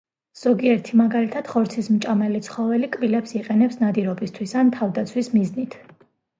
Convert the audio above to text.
ზოგიერთი, მაგალითად ხორცის მჭამელი ცხოველი კბილებს იყენებს ნადირობისათვის ან თავდაცვის მიზნით.